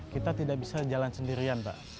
kita tidak bisa jalan sendirian pak